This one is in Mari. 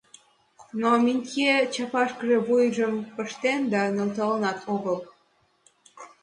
Но Минтье чапашкыже вуйжым пыштен да нӧлталынат огыл.